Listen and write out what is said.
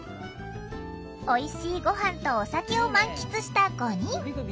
おいしいご飯とお酒を満喫した５人。